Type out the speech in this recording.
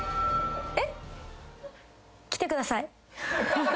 えっ？来てください。